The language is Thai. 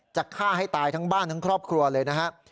จะฆ่าให้ตายทั้งบ้านทั้งครอบครัวเลยนะครับ